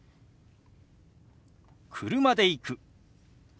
「車で行く」。